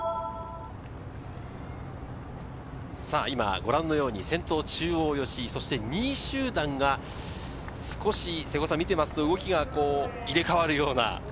今、ご覧のように中央・吉居、そして２位集団が少し見ていると動きが入れ替わるような。